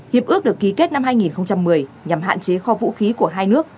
hiệp ước được ký kết năm hai nghìn một mươi nhằm hạn chế kho vũ khí của hai nước